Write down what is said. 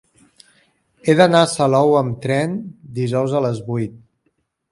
He d'anar a Salou amb tren dijous a les vuit.